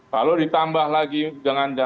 lalu ditambah lagi dengan